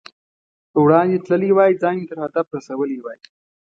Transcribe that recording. وړاندې تللی وای، ځان مې تر هدف رسولی وای.